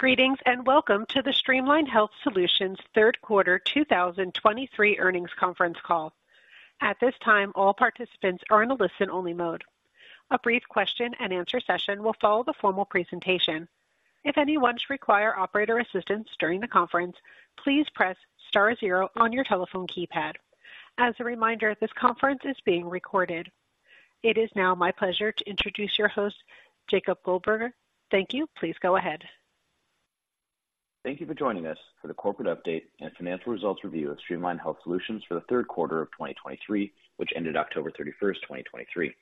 Greetings, and welcome to the Streamline Health Solutions third quarter 2023 earnings conference call. At this time, all participants are in a listen-only mode. A brief question and answer session will follow the formal presentation. If anyone should require operator assistance during the conference, please press star zero on your telephone keypad. As a reminder, this conference is being recorded. It is now my pleasure to introduce your host, Jacob Goldberger. Thank you. Please go ahead. Thank you for joining us for the corporate update and financial results review of Streamline Health Solutions for the third quarter of 2023, which ended October 31, 2023.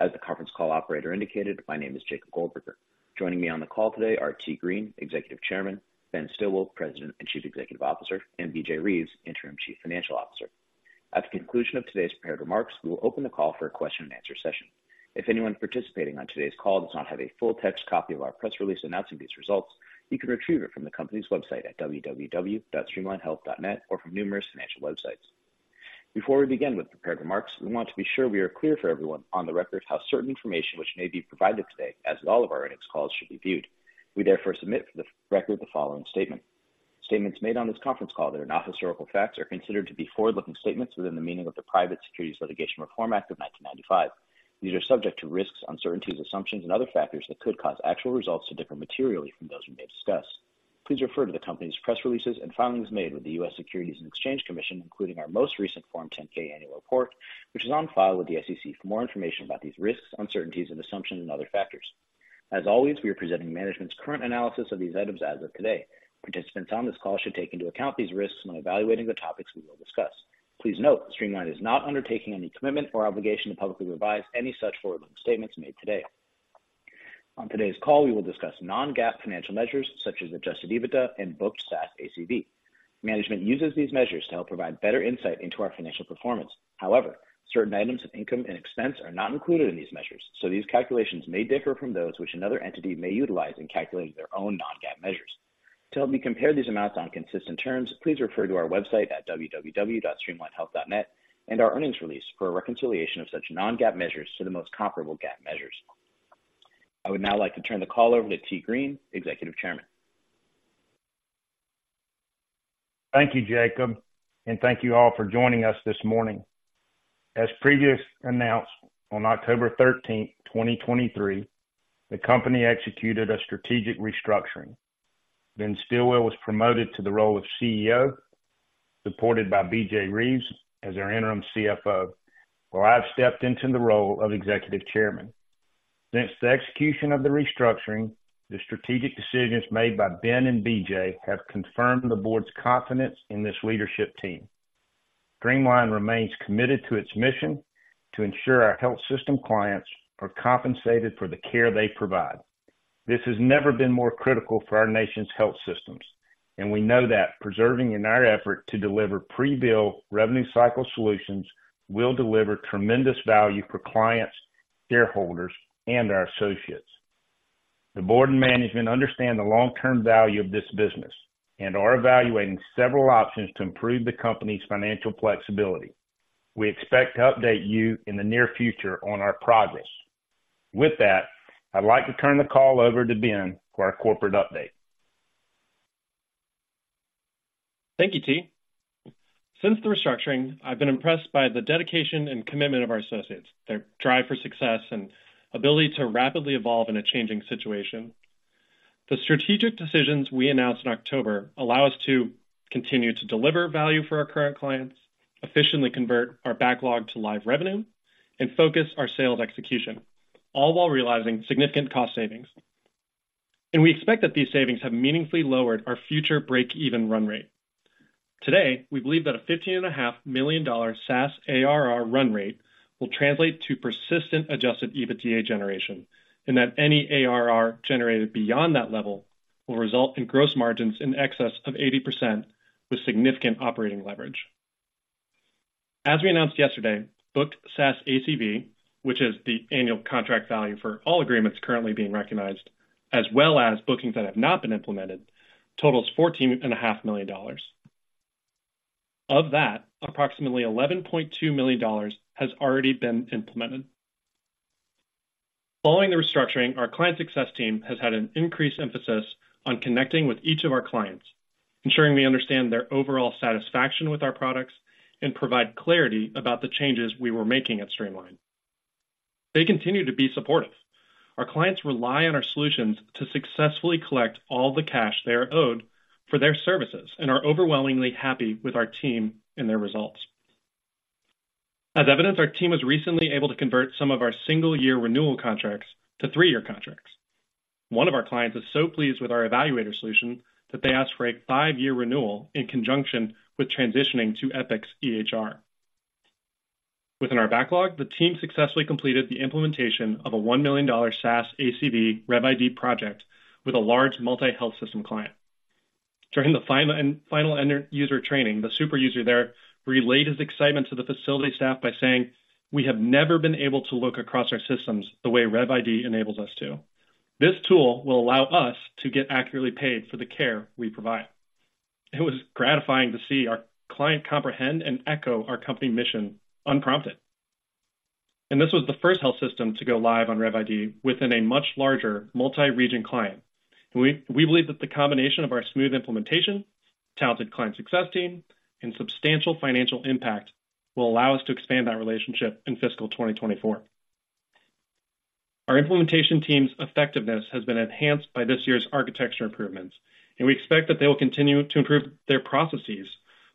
As the conference call operator indicated, my name is Jacob Goldberger. Joining me on the call today are Tee Green, Executive Chairman, Ben Stilwill, President and Chief Executive Officer, and B.J. Reeves, Interim Chief Financial Officer. At the conclusion of today's prepared remarks, we will open the call for a question and answer session. If anyone participating on today's call does not have a full text copy of our press release announcing these results, you can retrieve it from the company's website at www.streamlinehealth.net or from numerous financial websites. Before we begin with prepared remarks, we want to be sure we are clear for everyone on the record how certain information which may be provided today, as with all of our earnings calls, should be viewed. We therefore submit for the record the following statement: Statements made on this conference call that are not historical facts are considered to be forward-looking statements within the meaning of the Private Securities Litigation Reform Act of 1995. These are subject to risks, uncertainties, assumptions, and other factors that could cause actual results to differ materially from those we may discuss. Please refer to the company's press releases and filings made with the U.S. Securities and Exchange Commission, including our most recent Form 10-K annual report, which is on file with the SEC, for more information about these risks, uncertainties and assumptions and other factors. As always, we are presenting management's current analysis of these items as of today. Participants on this call should take into account these risks when evaluating the topics we will discuss. Please note, Streamline is not undertaking any commitment or obligation to publicly revise any such forward-looking statements made today. On today's call, we will discuss non-GAAP financial measures such as Adjusted EBITDA and Booked SaaS ACV. Management uses these measures to help provide better insight into our financial performance. However, certain items of income and expense are not included in these measures, so these calculations may differ from those which another entity may utilize in calculating their own non-GAAP measures. To help you compare these amounts on consistent terms, please refer to our website at www.streamlinehealth.net and our earnings release for a reconciliation of such non-GAAP measures to the most comparable GAAP measures. I would now like to turn the call over to Tee Green, Executive Chairman. Thank you, Jacob, and thank you all for joining us this morning. As previously announced, on October 13th, 2023, the company executed a strategic restructuring. Ben Stilwill was promoted to the role of CEO, supported by B.J. Reeves as our interim CFO, while I've stepped into the role of Executive Chairman. Since the execution of the restructuring, the strategic decisions made by Ben and B.J. have confirmed the board's confidence in this leadership team. Streamline remains committed to its mission to ensure our health system clients are compensated for the care they provide. This has never been more critical for our nation's health systems, and we know that preserving in our effort to deliver Pre-bill Revenue Cycle solutions will deliver tremendous value for clients, shareholders, and our associates. The board and management understand the long-term value of this business and are evaluating several options to improve the company's financial flexibility. We expect to update you in the near future on our progress. With that, I'd like to turn the call over to Ben for our corporate update. Thank you, Tee. Since the restructuring, I've been impressed by the dedication and commitment of our associates, their drive for success and ability to rapidly evolve in a changing situation. The strategic decisions we announced in October allow us to continue to deliver value for our current clients, efficiently convert our backlog to live revenue, and focus our sales execution, all while realizing significant cost savings. We expect that these savings have meaningfully lowered our future break-even run rate. Today, we believe that a $15.5 million SaaS ARR run rate will translate to persistent adjusted EBITDA generation, and that any ARR generated beyond that level will result in gross margins in excess of 80% with significant operating leverage. As we announced yesterday, booked SaaS ACV, which is the annual contract value for all agreements currently being recognized, as well as bookings that have not been implemented, totals $14.5 million. Of that, approximately $11.2 million has already been implemented. Following the restructuring, our client success team has had an increased emphasis on connecting with each of our clients, ensuring we understand their overall satisfaction with our products and provide clarity about the changes we were making at Streamline. They continue to be supportive. Our clients rely on our solutions to successfully collect all the cash they are owed for their services and are overwhelmingly happy with our team and their results. As evidenced, our team was recently able to convert some of our single-year renewal contracts to three-year contracts. One of our clients is so pleased with our eValuator solution that they asked for a five-year renewal in conjunction with transitioning to Epic's EHR. Within our backlog, the team successfully completed the implementation of a $1 million SaaS ACV RevID project with a large multi-health system client. During the final end user training, the super user there relayed his excitement to the facility staff by saying, "We have never been able to look across our systems the way RevID enables us to. This tool will allow us to get accurately paid for the care we provide." It was gratifying to see our client comprehend and echo our company mission unprompted.... This was the first health system to go live on RevID within a much larger multi-region client. We believe that the combination of our smooth implementation, talented client success team, and substantial financial impact will allow us to expand that relationship in fiscal 2024. Our implementation team's effectiveness has been enhanced by this year's architecture improvements, and we expect that they will continue to improve their processes,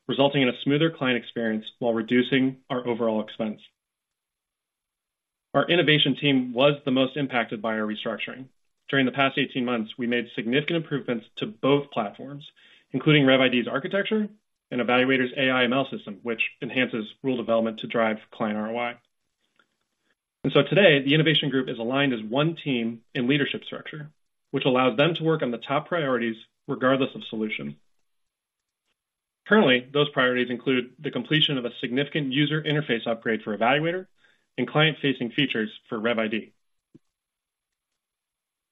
resulting in a smoother client experience while reducing our overall expense. Our innovation team was the most impacted by our restructuring. During the past 18 months, we made significant improvements to both platforms, including RevID's architecture and eValuator's AI/ML system, which enhances rule development to drive client ROI. And so today, the innovation group is aligned as one team in leadership structure, which allows them to work on the top priorities regardless of solution. Currently, those priorities include the completion of a significant user interface upgrade for eValuator and client-facing features for RevID.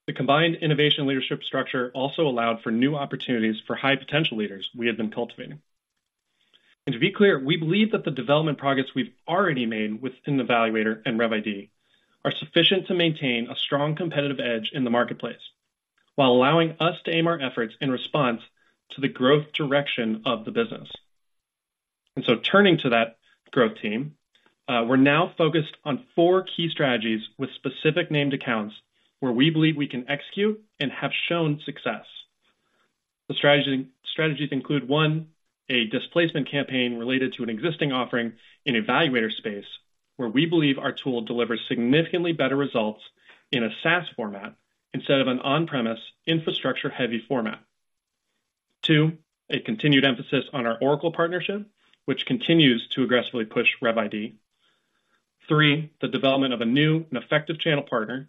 The combined innovation leadership structure also allowed for new opportunities for high-potential leaders we have been cultivating. And to be clear, we believe that the development progress we've already made within eValuator and RevID are sufficient to maintain a strong competitive edge in the marketplace, while allowing us to aim our efforts in response to the growth direction of the business. And so turning to that growth team, we're now focused on four key strategies with specific named accounts where we believe we can execute and have shown success. The strategies include, one, a displacement campaign related to an existing offering in eValuator space, where we believe our tool delivers significantly better results in a SaaS format instead of an on-premise, infrastructure-heavy format. Two, a continued emphasis on our Oracle partnership, which continues to aggressively push RevID. Three, the development of a new and effective channel partner.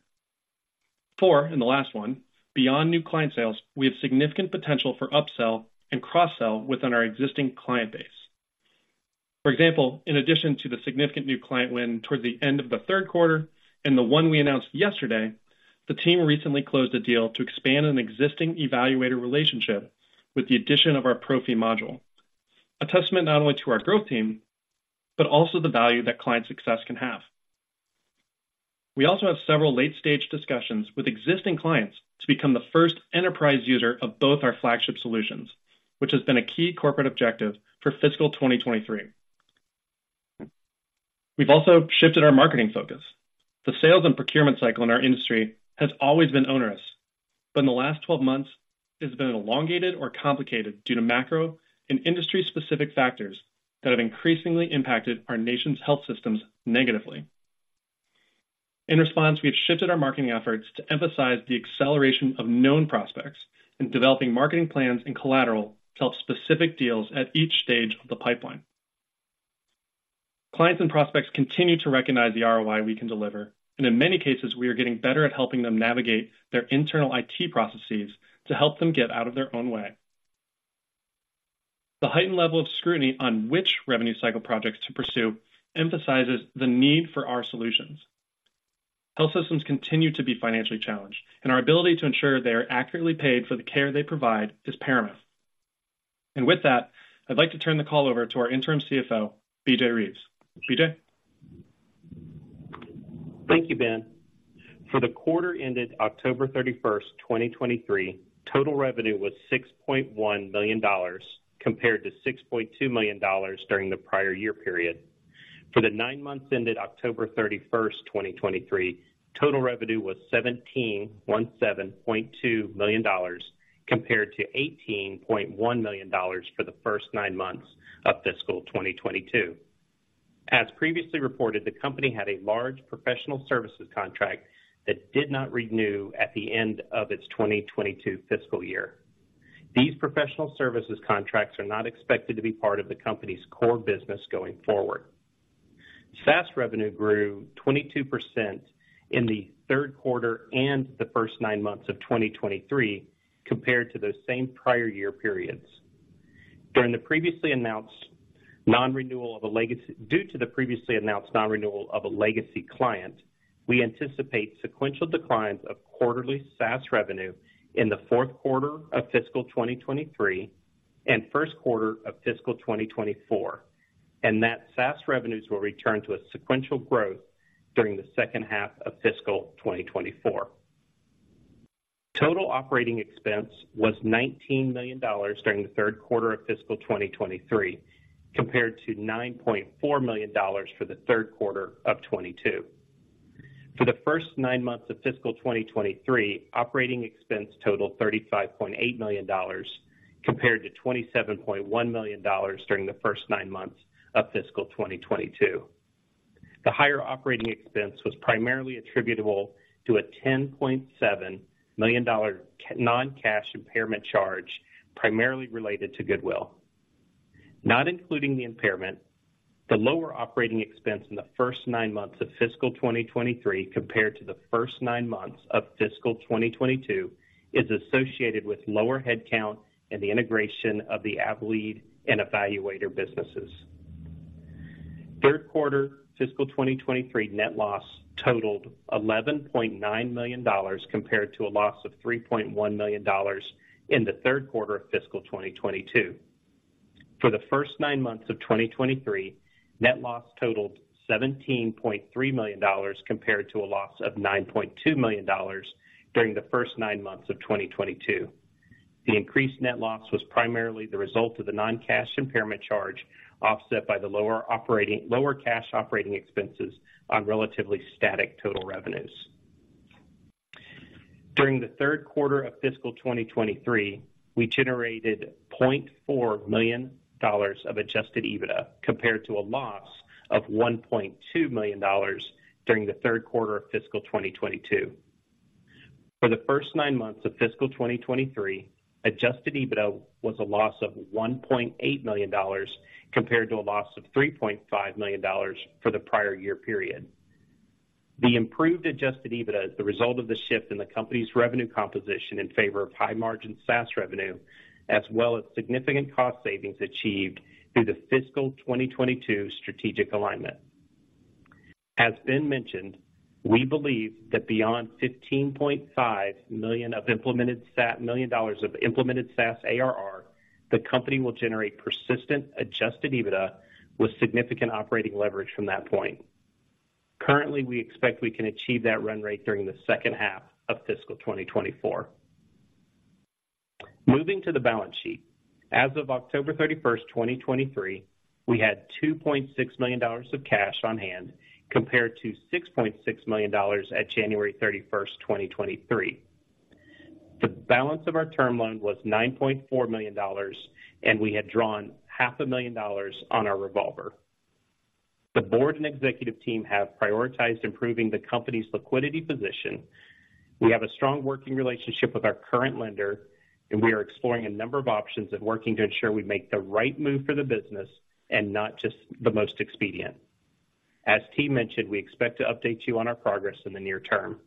Fourth, and the last one, beyond new client sales, we have significant potential for upsell and cross-sell within our existing client base. For example, in addition to the significant new client win toward the end of the third quarter and the one we announced yesterday, the team recently closed a deal to expand an existing eValuator relationship with the addition of our Pro-Fee module. A testament not only to our growth team, but also the value that client success can have. We also have several late-stage discussions with existing clients to become the first enterprise user of both our flagship solutions, which has been a key corporate objective for fiscal 2023. We've also shifted our marketing focus. The sales and procurement cycle in our industry has always been onerous, but in the last 12 months, it's been elongated or complicated due to macro and industry-specific factors that have increasingly impacted our nation's health systems negatively. In response, we have shifted our marketing efforts to emphasize the acceleration of known prospects in developing marketing plans and collateral to help specific deals at each stage of the pipeline. Clients and prospects continue to recognize the ROI we can deliver, and in many cases, we are getting better at helping them navigate their internal IT processes to help them get out of their own way. The heightened level of scrutiny on which revenue cycle projects to pursue emphasizes the need for our solutions. Health systems continue to be financially challenged, and our ability to ensure they are accurately paid for the care they provide is paramount. With that, I'd like to turn the call over to our interim CFO, B.J. Reeves. B.J.? Thank you, Ben. For the quarter ended October 31, 2023, total revenue was $6.1 million, compared to $6.2 million during the prior year period. For the nine months ended October 31, 2023, total revenue was $17.172 million, compared to $18.1 million for the first nine months of fiscal 2022. As previously reported, the company had a large professional services contract that did not renew at the end of its 2022 fiscal year. These professional services contracts are not expected to be part of the company's core business going forward. SaaS revenue grew 22% in the third quarter and the first nine months of 2023, compared to those same prior year periods. Due to the previously announced non-renewal of a legacy client, we anticipate sequential declines of quarterly SaaS revenue in the fourth quarter of fiscal 2023 and first quarter of fiscal 2024, and that SaaS revenues will return to a sequential growth during the second half of fiscal 2024. Total operating expense was $19 million during the third quarter of fiscal 2023, compared to $9.4 million for the third quarter of 2022. For the first nine months of fiscal 2023, operating expense totaled $35.8 million, compared to $27.1 million during the first nine months of fiscal 2022. The higher operating expense was primarily attributable to a $10.7 million non-cash impairment charge, primarily related to goodwill. Not including the impairment, the lower operating expense in the first nine months of fiscal 2023 compared to the first nine months of fiscal 2022 is associated with lower headcount and the integration of the Avelead and eValuator businesses. Third quarter fiscal 2023 net loss totaled $11.9 million, compared to a loss of $3.1 million in the third quarter of fiscal 2022. For the first nine months of 2023, net loss totaled $17.3 million compared to a loss of $9.2 million during the first nine months of 2022. The increased net loss was primarily the result of the non-cash impairment charge, offset by the lower cash operating expenses on relatively static total revenues. During the third quarter of fiscal 2023, we generated $0.4 million of adjusted EBITDA, compared to a loss of $1.2 million during the third quarter of fiscal 2022. For the first nine months of fiscal 2023, adjusted EBITDA was a loss of $1.8 million, compared to a loss of $3.5 million for the prior year period. The improved adjusted EBITDA is the result of the shift in the company's revenue composition in favor of high-margin SaaS revenue, as well as significant cost savings achieved through the fiscal 2022 strategic alignment. As Ben mentioned, we believe that beyond $15.5 million of implemented SaaS ARR, the company will generate persistent adjusted EBITDA with significant operating leverage from that point. Currently, we expect we can achieve that run rate during the second half of fiscal 2024. Moving to the balance sheet. As of October 31, 2023, we had $2.6 million of cash on hand, compared to $6.6 million at January 31, 2023. The balance of our term loan was $9.4 million, and we had drawn $500,000 on our revolver. The board and executive team have prioritized improving the company's liquidity position. We have a strong working relationship with our current lender, and we are exploring a number of options and working to ensure we make the right move for the business and not just the most expedient. As T mentioned, we expect to update you on our progress in the near term.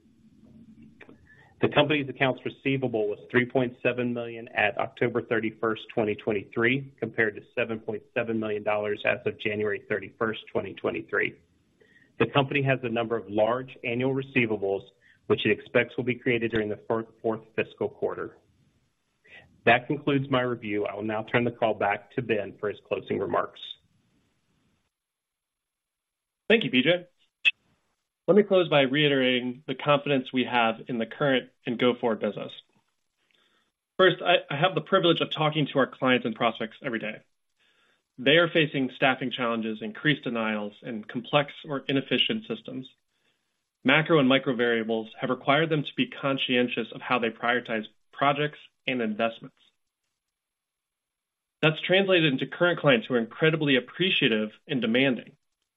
The company's accounts receivable was $3.7 million at October 31, 2023, compared to $7.7 million as of January 31, 2023. The company has a number of large annual receivables, which it expects will be created during the fourth fiscal quarter. That concludes my review. I will now turn the call back to Ben for his closing remarks. Thank you, B.J. Let me close by reiterating the confidence we have in the current and go-forward business. First, I have the privilege of talking to our clients and prospects every day. They are facing staffing challenges, increased denials, and complex or inefficient systems. Macro and micro variables have required them to be conscientious of how they prioritize projects and investments. That's translated into current clients who are incredibly appreciative and demanding,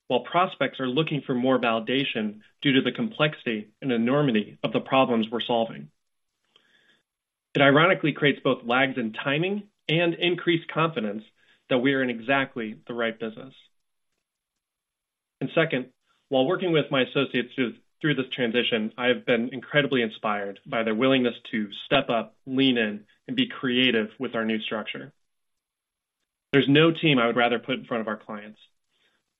while prospects are looking for more validation due to the complexity and enormity of the problems we're solving. It ironically creates both lags in timing and increased confidence that we are in exactly the right business. And second, while working with my associates through this transition, I have been incredibly inspired by their willingness to step up, lean in, and be creative with our new structure. There's no team I would rather put in front of our clients,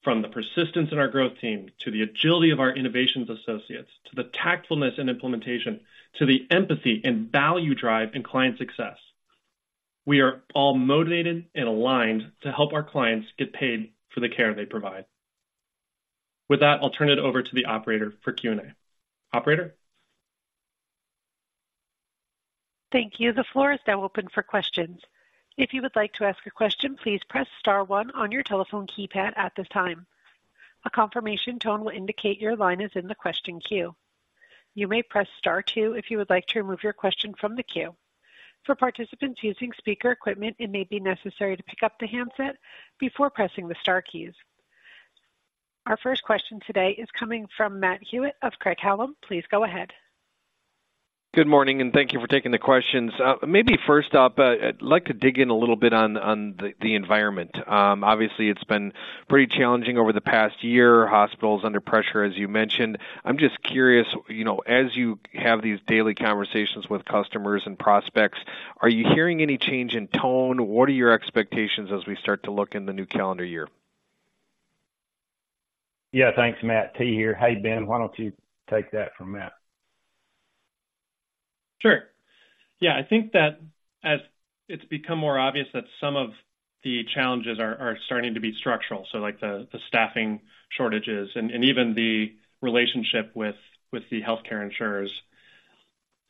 from the persistence in our growth team, to the agility of our innovations associates, to the tactfulness and implementation, to the empathy and value drive in client success. We are all motivated and aligned to help our clients get paid for the care they provide. With that, I'll turn it over to the operator for Q&A. Operator? Thank you. The floor is now open for questions. If you would like to ask a question, please press star one on your telephone keypad at this time. A confirmation tone will indicate your line is in the question queue. You may press star two if you would like to remove your question from the queue. For participants using speaker equipment, it may be necessary to pick up the handset before pressing the star keys. Our first question today is coming from Matt Hewitt of Craig-Hallum. Please go ahead. Good morning, and thank you for taking the questions. Maybe first up, I'd like to dig in a little bit on the environment. Obviously, it's been pretty challenging over the past year. Hospitals under pressure, as you mentioned. I'm just curious, you know, as you have these daily conversations with customers and prospects, are you hearing any change in tone? What are your expectations as we start to look in the new calendar year? Yeah, thanks, Matt. Tee here. Hey, Ben, why don't you take that from Matt? Sure. Yeah, I think that as it's become more obvious that some of the challenges are starting to be structural, so like the staffing shortages and even the relationship with the healthcare insurers,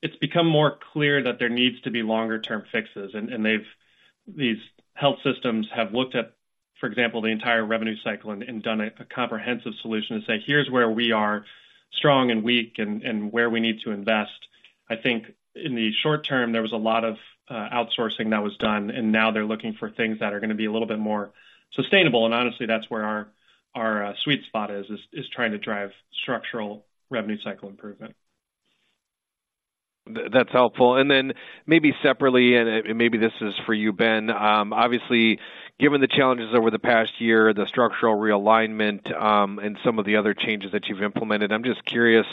it's become more clear that there needs to be longer-term fixes. And they've. These health systems have looked at, for example, the entire revenue cycle and done a comprehensive solution to say, "Here's where we are strong and weak and where we need to invest." I think in the short term, there was a lot of outsourcing that was done, and now they're looking for things that are gonna be a little bit more sustainable. And honestly, that's where our sweet spot is trying to drive structural revenue cycle improvement. That's helpful. And then maybe separately, maybe this is for you, Ben. Obviously, given the challenges over the past year, the structural realignment, and some of the other changes that you've implemented, I'm just curious,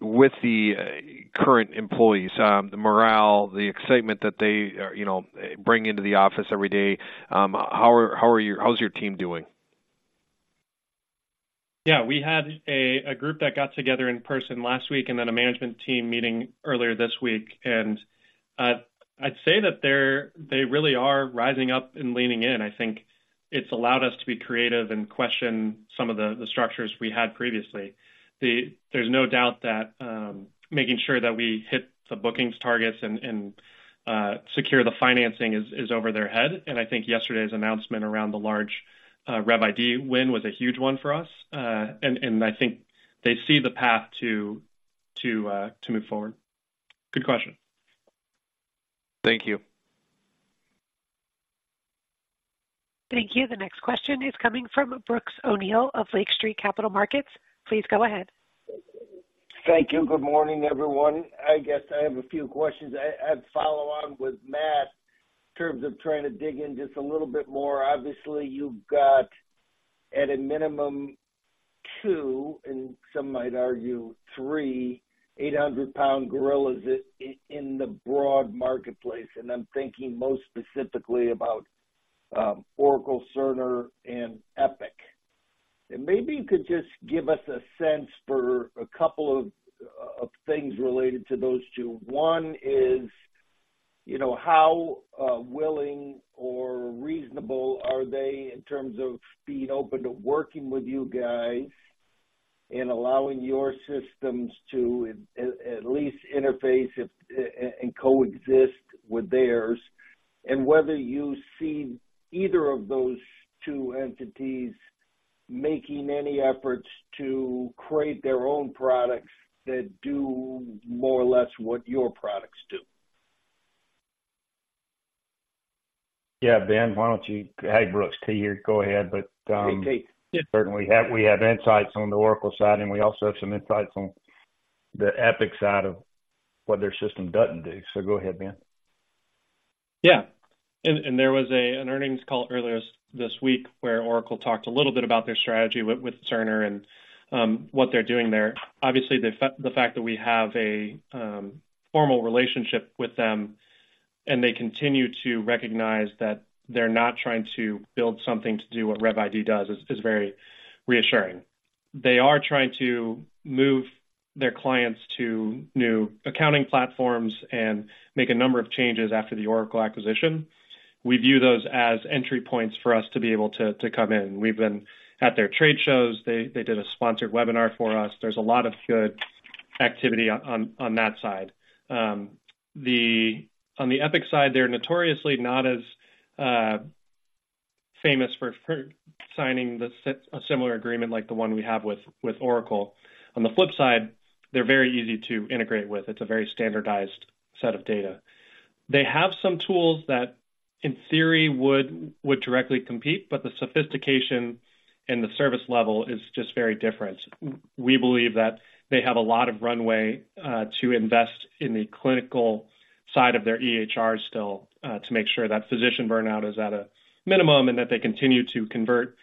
with the current employees, the morale, the excitement that they, you know, bring into the office every day, how's your team doing? Yeah, we had a group that got together in person last week and then a management team meeting earlier this week, and I'd say that they're—they really are rising up and leaning in. I think it's allowed us to be creative and question some of the structures we had previously. There's no doubt that making sure that we hit the bookings targets and secure the financing is over their head. And I think yesterday's announcement around the large RevID win was a huge one for us. And I think they see the path to move forward. Good question. Thank you. Thank you. The next question is coming from Brooks O'Neil of Lake Street Capital Markets. Please go ahead. Thank you. Good morning, everyone. I guess I have a few questions. I'd follow on with Matt, in terms of trying to dig in just a little bit more. Obviously, you've got at a minimum two, and some might argue three, 800-pound gorillas in the broad marketplace, and I'm thinking most specifically about Oracle, Cerner, and Epic. And maybe you could just give us a sense for a couple of things related to those two. One is, you know, how willing or reasonable are they in terms of being open to working with you guys and allowing your systems to at least interface if and coexist with theirs? And whether you see either of those two entities making any efforts to create their own products that do more or less what your products do. Yeah, Ben, why don't you. Hi, Brooks. Tee here, go ahead. But, Hey, Tee. Certainly, we have, we have insights on the Oracle side, and we also have some insights on the Epic side of what their system doesn't do. So go ahead, Ben. Yeah. And there was an earnings call earlier this week where Oracle talked a little bit about their strategy with Cerner and what they're doing there. Obviously, the fact that we have a formal relationship with them, and they continue to recognize that they're not trying to build something to do what RevID does is very reassuring. They are trying to move their clients to new accounting platforms and make a number of changes after the Oracle acquisition. We view those as entry points for us to be able to come in. We've been at their trade shows. They did a sponsored webinar for us. There's a lot of good activity on that side. On the Epic side, they're notoriously not as famous for signing a similar agreement like the one we have with Oracle. On the flip side, they're very easy to integrate with. It's a very standardized set of data. They have some tools that, in theory, would directly compete, but the sophistication and the service level is just very different. We believe that they have a lot of runway to invest in the clinical side of their EHR still, to make sure that physician burnout is at a minimum and that they continue to convert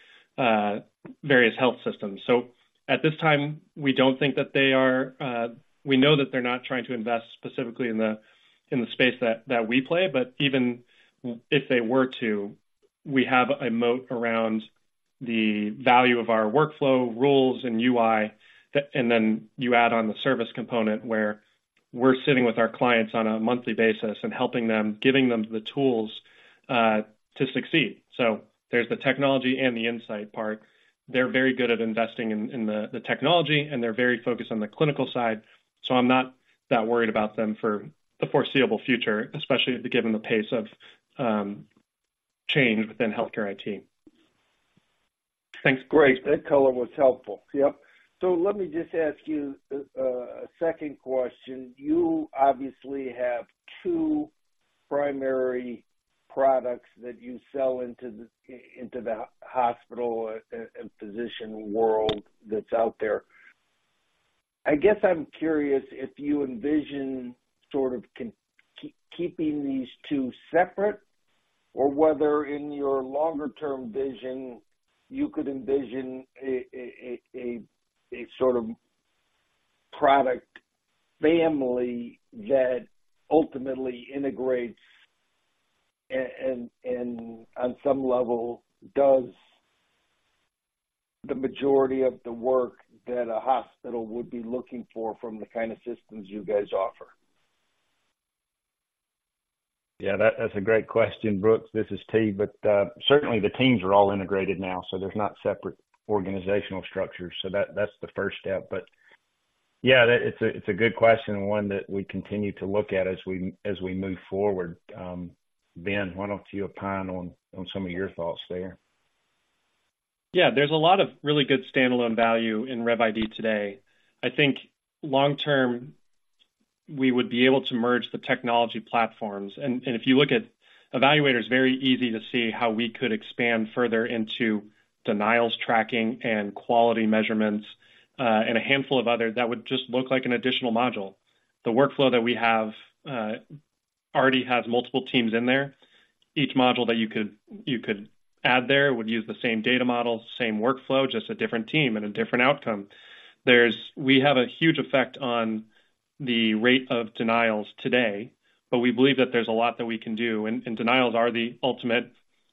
various health systems. So at this time, we don't think that they are, we know that they're not trying to invest specifically in the space that we play, but even if they were to, we have a moat around the value of our workflow, rules, and UI, that. And then you add on the service component, where we're sitting with our clients on a monthly basis and helping them, giving them the tools to succeed. So there's the technology and the insight part. They're very good at investing in the technology, and they're very focused on the clinical side, so I'm not that worried about them for the foreseeable future, especially given the pace of change within healthcare IT. Thanks. Great. That color was helpful. Yep. So let me just ask you a second question. You obviously have two primary products that you sell into the hospital and physician world that's out there. I guess I'm curious if you envision sort of keeping these two separate, or whether in your longer-term vision, you could envision a sort of product family that ultimately integrates and on some level does the majority of the work that a hospital would be looking for from the kind of systems you guys offer? Yeah, that's a great question, Brooks. This is Tee. But certainly, the teams are all integrated now, so there's not separate organizational structures. So that's the first step. But yeah, that... It's a good question and one that we continue to look at as we move forward. Ben, why don't you opine on some of your thoughts there? Yeah. There's a lot of really good standalone value in RevID today. I think long term, we would be able to merge the technology platforms. And, and if you look at eValuator, it's very easy to see how we could expand further into denials tracking and quality measurements, and a handful of others that would just look like an additional module. The workflow that we have already has multiple teams in there. Each module that you could, you could add there would use the same data model, same workflow, just a different team and a different outcome. There's we have a huge effect on the rate of denials today... but we believe that there's a lot that we can do, and, and denials are the ultimate,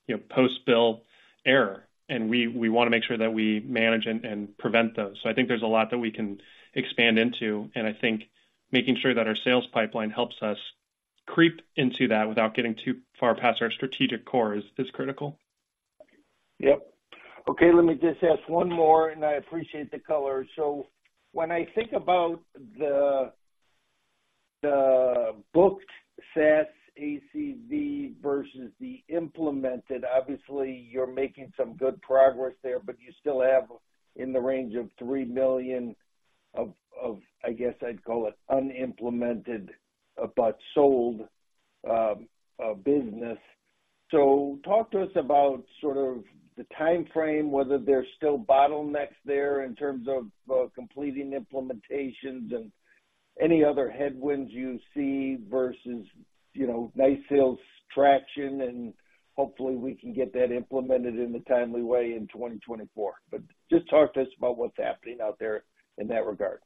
you know, post-bill error, and we, we wanna make sure that we manage and, and prevent those. I think there's a lot that we can expand into, and I think making sure that our sales pipeline helps us creep into that without getting too far past our strategic core is critical. Yep. Okay, let me just ask one more, and I appreciate the color. So when I think about the booked SaaS ACV versus the implemented, obviously, you're making some good progress there, but you still have in the range of $3 million of, I guess I'd call it unimplemented but sold business. So talk to us about sort of the timeframe, whether there's still bottlenecks there in terms of completing implementations and any other headwinds you see versus, you know, nice sales traction, and hopefully we can get that implemented in a timely way in 2024. But just talk to us about what's happening out there in that regard.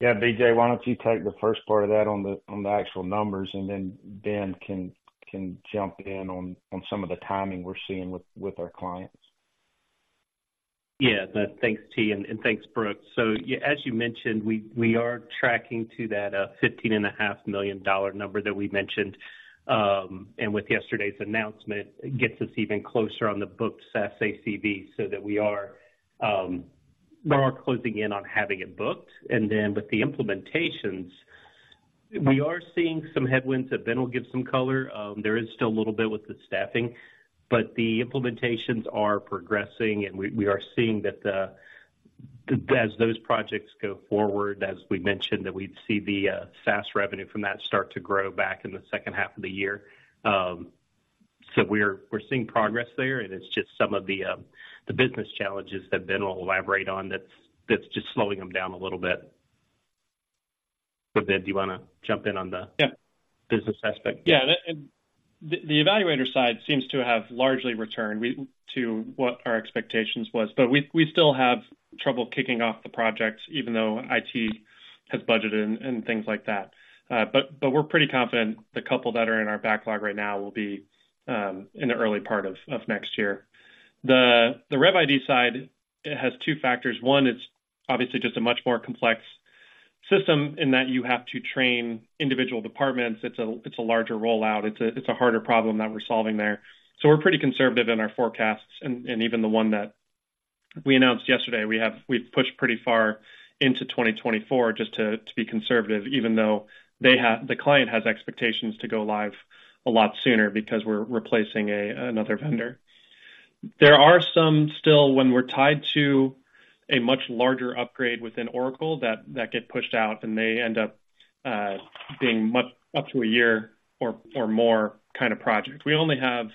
Yeah, B.J., why don't you take the first part of that on the, on the actual numbers, and then Ben can, can jump in on, on some of the timing we're seeing with, with our clients? Yeah. Thanks, T, and thanks, Brooks. So as you mentioned, we are tracking to that $15.5 million number that we mentioned. And with yesterday's announcement, it gets us even closer on the booked SaaS ACV so that we are more closing in on having it booked. And then with the implementations, we are seeing some headwinds that Ben will give some color. There is still a little bit with the staffing, but the implementations are progressing, and we are seeing that as those projects go forward, as we mentioned, that we'd see the SaaS revenue from that start to grow back in the second half of the year. So we're seeing progress there, and it's just some of the business challenges that Ben will elaborate on that's just slowing them down a little bit. But, Ben, do you wanna jump in on the- Yeah. Business aspect? Yeah. The eValuator side seems to have largely returned to what our expectations was, but we still have trouble kicking off the projects, even though IT has budgeted and things like that. But we're pretty confident the couple that are in our backlog right now will be in the early part of next year. The RevID side, it has two factors. One, it's obviously just a much more complex system in that you have to train individual departments. It's a larger rollout. It's a harder problem that we're solving there. So we're pretty conservative in our forecasts, and even the one that we announced yesterday, we've pushed pretty far into 2024 just to be conservative, even though the client has expectations to go live a lot sooner because we're replacing another vendor. There are some still, when we're tied to a much larger upgrade within Oracle, that get pushed out, and they end up being much up to a year or more kind of project. We only have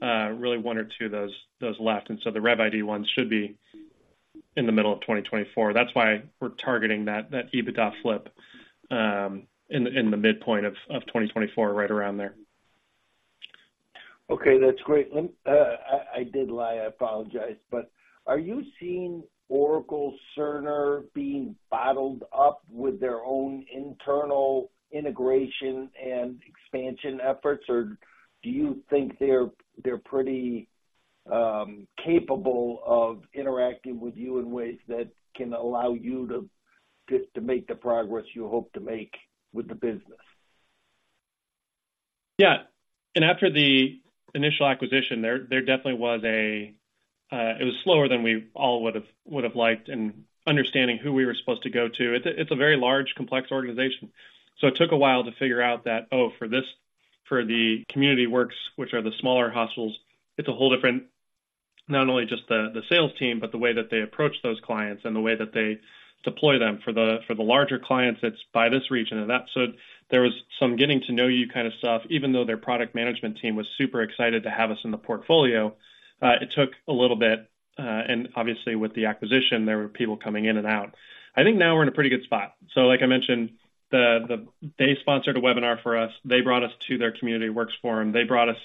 really one or two of those left, and so the RevID ones should be in the middle of 2024. That's why we're targeting that EBITDA flip in the midpoint of 2024, right around there. Okay, that's great. Let me, I did lie, I apologize, but are you seeing Oracle Cerner being bottled up with their own internal integration and expansion efforts? Or do you think they're pretty capable of interacting with you in ways that can allow you to get to make the progress you hope to make with the business? Yeah. And after the initial acquisition, there definitely was a... it was slower than we all would have liked in understanding who we were supposed to go to. It's a very large, complex organization, so it took a while to figure out that, for the Community Works, which are the smaller hospitals, it's a whole different not only just the sales team, but the way that they approach those clients and the way that they deploy them. For the larger clients, it's by this region and that. So there was some getting to know you kind of stuff. Even though their product management team was super excited to have us in the portfolio, it took a little bit, and obviously, with the acquisition, there were people coming in and out. I think now we're in a pretty good spot. So like I mentioned, they sponsored a webinar for us. They brought us to their Community Works forum. They brought us,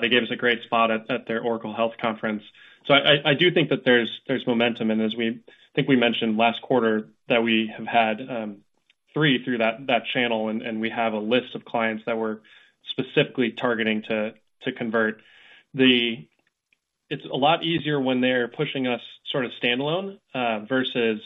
they gave us a great spot at their Oracle Health Conference. So I do think that there's momentum, and as we, I think we mentioned last quarter, that we have had three through that channel, and we have a list of clients that we're specifically targeting to convert. The. It's a lot easier when they're pushing us sort of standalone versus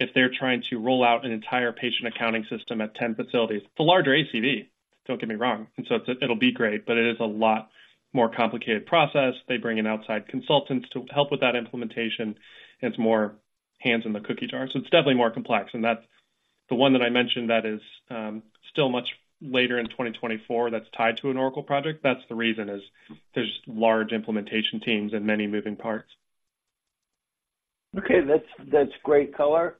if they're trying to roll out an entire patient accounting system at 10 facilities. It's a larger ACV, don't get me wrong, and so it'll be great, but it is a lot more complicated process. They bring in outside consultants to help with that implementation, and it's more hands in the cookie jar. So it's definitely more complex, and that's the one that I mentioned that is still much later in 2024, that's tied to an Oracle project. That's the reason is there's large implementation teams and many moving parts. Okay. That's, that's great color.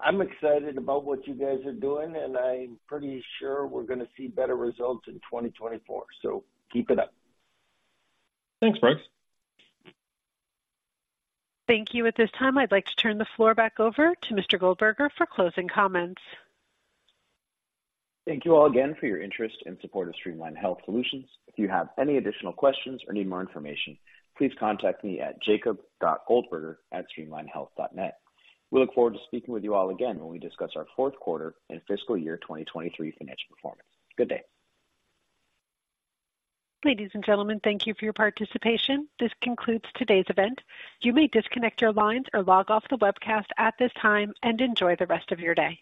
I'm excited about what you guys are doing, and I'm pretty sure we're gonna see better results in 2024, so keep it up. Thanks, Brooks. Thank you. At this time, I'd like to turn the floor back over to Mr. Goldberger for closing comments. Thank you all again for your interest and support of Streamline Health Solutions. If you have any additional questions or need more information, please contact me at Jacob.Goldberger@streamlinehealth.net. We look forward to speaking with you all again when we discuss our fourth quarter and fiscal year 2023 financial performance. Good day. Ladies and gentlemen, thank you for your participation. This concludes today's event. You may disconnect your lines or log off the webcast at this time, and enjoy the rest of your day.